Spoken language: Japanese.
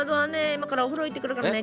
今からお風呂行ってくるからね。